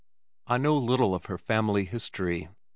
I know little of her family history.